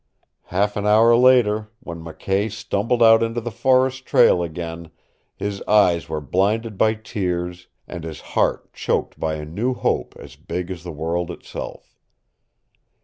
Half an hour later, when McKay stumbled out into the forest trail again, his eyes were blinded by tears and his heart choked by a new hope as big as the world itself.